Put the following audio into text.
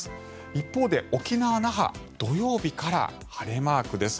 一方で、沖縄・那覇土曜日から晴れマークです。